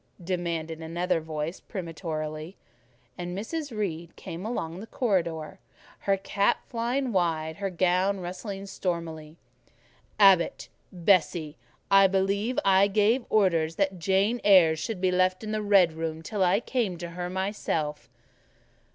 demanded another voice peremptorily; and Mrs. Reed came along the corridor, her cap flying wide, her gown rustling stormily. "Abbot and Bessie, I believe I gave orders that Jane Eyre should be left in the red room till I came to her myself."